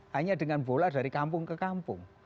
hanya dengan bola dari kampung ke kampung